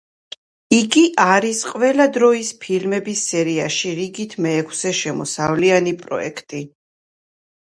იგი არის ყველა დროის ფილმების სერიაში რიგით მეექვსე შემოსავლიანი პროექტი.